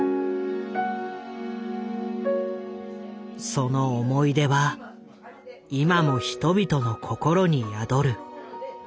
その思い出は今も人々の心に宿る。